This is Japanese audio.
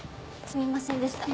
すみませんでした。